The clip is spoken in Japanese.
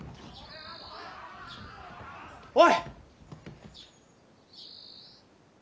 おい！